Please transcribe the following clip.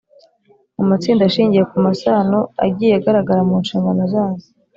mu matsinda ashingiye ku masano agiye agaragara mu nshingano zazo.